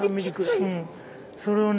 それをね